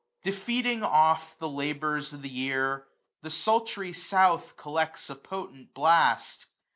310. Defeating oft the labours of the year. The sultry south collects a potent blast.